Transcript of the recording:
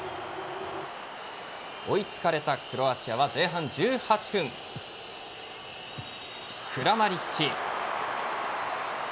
追いつかれたクロアチアは前半１８分クラマリッチ。